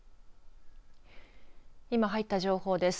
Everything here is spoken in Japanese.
今入った情報です。